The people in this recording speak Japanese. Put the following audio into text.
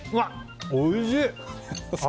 おいしい！